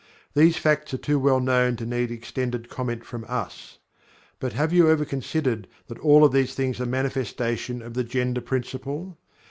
These facts are too well known to need extended comment from us. But, have you ever considered that all of these things are manifestations of the Gender Principle?